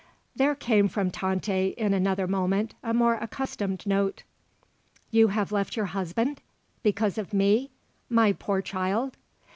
There came from Tante in another moment a more accustomed note. "You have left your husband because of me my poor child?"